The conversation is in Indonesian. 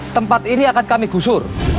tempat ini akan kami gusur